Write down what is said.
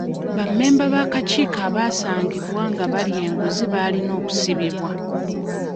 Bammemba b'akakiiko abasangibwa nga balya enguzi balina okusibibwa.